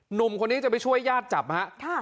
หนุ่มคนนี้จะไปช่วยญาติจับฮะ